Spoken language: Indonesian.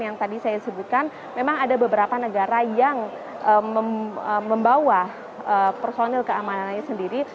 yang tadi saya sebutkan memang ada beberapa negara yang membawa personil keamanannya sendiri